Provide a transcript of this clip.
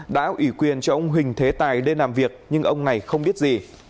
đã ủy quyền cho ông huỳnh thế tài lên làm việc nhưng ông này không biết gì